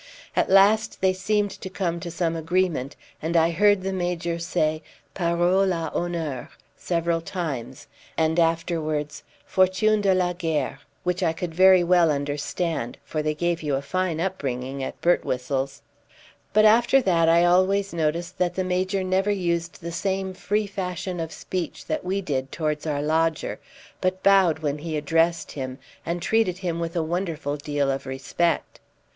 At last they seemed to come to some agreement, and I heard the Major say "Parole a'honneur" several times, and afterwards "Fortune de la guerre," which I could very well understand, for they gave you a fine upbringing at Birtwhistle's. But after that I always noticed that the Major never used the same free fashion of speech that we did towards our lodger, but bowed when he addressed him, and treated him with a wonderful deal of respect.